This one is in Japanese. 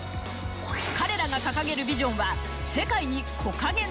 彼らが掲げるビジョンは。